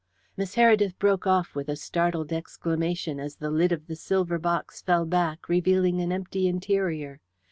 Miss Heredith broke off with a startled exclamation as the lid of the silver box fell back, revealing an empty interior.